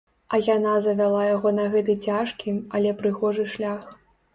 А яна завяла яго на гэты цяжкі, але прыгожы шлях.